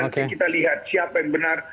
nanti kita lihat siapa yang benar